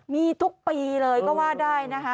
มีทุกปีเลยก็ว่าได้นะคะ